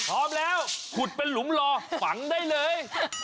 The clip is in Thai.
พร้อมแล้วขุดเป็นหลุมรอฝังได้เลย